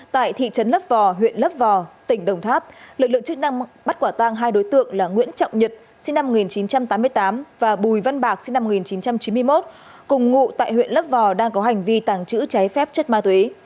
tại thị trấn lấp vò huyện lấp vò tỉnh đồng tháp lực lượng chức năng bắt quả tang hai đối tượng là nguyễn trọng nhật sinh năm một nghìn chín trăm tám mươi tám và bùi văn bạc sinh năm một nghìn chín trăm chín mươi một cùng ngụ tại huyện lấp vò đang có hành vi tàng trữ trái phép chất ma túy